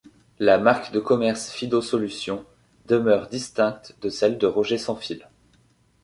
La marque de commerce Fido Solutions demeure distincte de celle de Rogers Sans Fil.